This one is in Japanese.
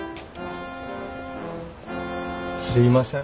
すいません。